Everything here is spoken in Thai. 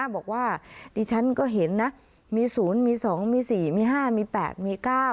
บอกว่าดิฉันก็เห็นนะมี๐มี๒มี๔มี๕มี๘มี๙